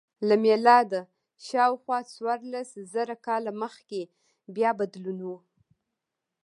له میلاده شاوخوا څوارلس زره کاله مخکې بیا بدلون و